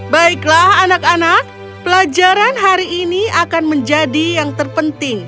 baiklah anak anak pelajaran hari ini akan menjadi yang terpenting